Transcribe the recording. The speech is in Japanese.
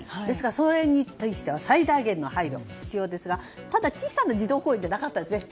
それに対しては最大限の配慮が必要ですがただ小さな児童公園じゃなかったですね。